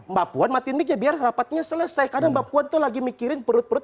mbak puan matiin mik ya biar rapatnya selesai karena mbak puan tuh lagi mikirin perut perut